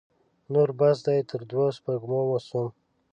نور بس دی؛ تر دوو سپږمو سوم.